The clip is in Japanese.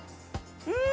うん！